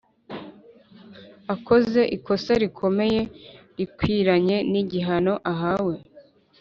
Akoze ikosa rikomeye rikwiranye n igihano ahawe